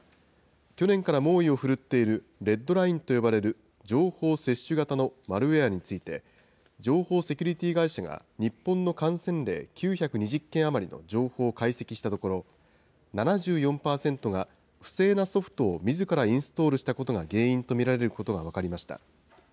去年から猛威を振るっているレッドラインと呼ばれる情報窃取型のマルウエアについて、情報セキュリティー会社が、日本の感染例９２０件余りの情報を解析したところ、７４％が、不正なソフトをみずからインストールしたことが原因と見られることが分かりました。